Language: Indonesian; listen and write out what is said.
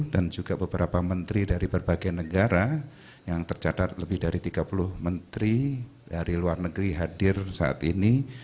dan juga beberapa menteri dari berbagai negara yang tercatat lebih dari tiga puluh menteri dari luar negeri hadir saat ini